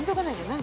何？